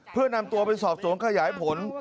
เพื่อนำตัวไปสอบสวนขยายผล